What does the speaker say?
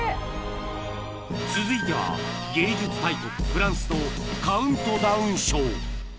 ［続いては芸術大国フランスのカウントダウンショー］